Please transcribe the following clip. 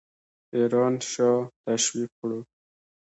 ایران شاه تشویق کړو.